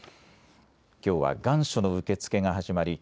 きょうは願書の受け付けが始まり